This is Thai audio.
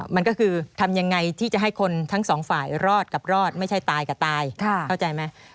มันก็คือทำยังไงที่จะให้คนทั้งสองฝ่ายรอดกับรอดไม่ใช่ตายกับตายเข้าใจไหม